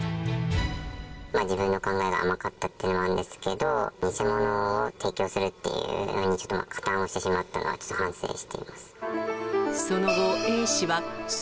自分の考えが甘かったっていうのはあるんですけど、偽物を提供するっていうのに、ちょっと加担をしてしまったのは、ちょっと反省しています。